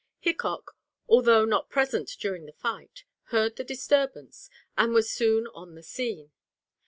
Hickok, although not present during the fight, heard the disturbance and was soon on the scene.